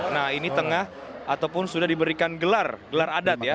nah ini tengah ataupun sudah diberikan gelar gelar adat ya